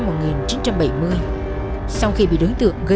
sau khi bị đối tượng gây chú ý với người đi đường